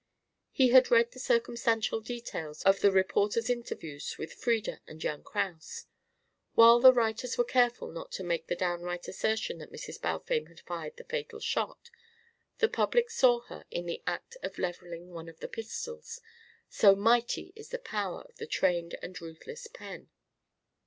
He had read the circumstantial details of the reporter's interviews with Frieda and young Kraus. While the writers were careful not to make the downright assertion that Mrs. Balfame had fired the fatal shot, the public saw her in the act of levelling one of the pistols so mighty is the power of the trained and ruthless pen.